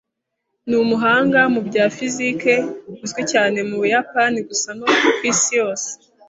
Ni umuhanga mu bya fiziki uzwi cyane mu Buyapani gusa no ku isi yose.